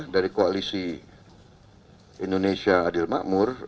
dari koalisi indonesia adil makmur